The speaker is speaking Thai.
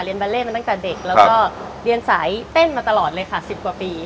บาเล่มาตั้งแต่เด็กแล้วก็เรียนสายเต้นมาตลอดเลยค่ะ๑๐กว่าปี